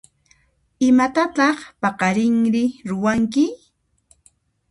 Imatataq paqarinri ruwanki?